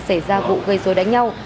xảy ra vụ gây dối đánh nhau